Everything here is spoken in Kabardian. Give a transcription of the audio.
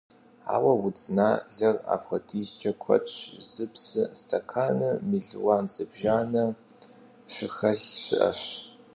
Ауэ удзналъэр апхуэдизкӀэ куэдщи, зы псы стэканым мелуан зыбжанэ щыхэлъ щыӀэщ.